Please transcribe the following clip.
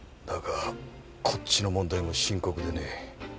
だがこっちの問題も深刻でね。